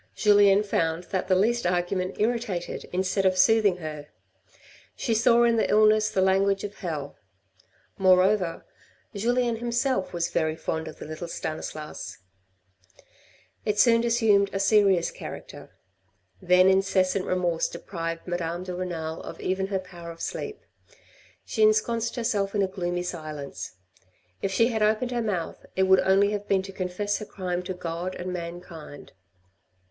Julien found that the least argument irritated instead of soothing her. She saw in the illness the language of hell. Moreover, Julien was himself very fond of the little Stanislas. It soon assumed a serious character. Then incessant re morse deprived Madame de Renal of even her power of sleep. She ensconced herself in a gloomy silence : if she had opened her mouth, it would only have been to confess her crime to God and mankind.